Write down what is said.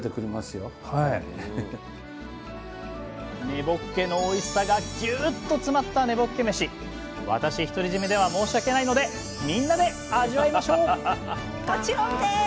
根ぼっけのおいしさがぎゅっと詰まった私独り占めでは申し訳ないのでみんなで味わいましょうもちろんです！